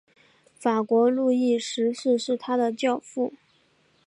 法国路易十四是他的教父。